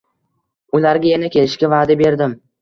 Ularga yana kelishga vaʼda berdim.